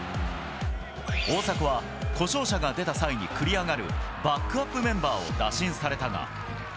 大迫は故障者が出た際に繰り上がるバックアップメンバーを打診されたが。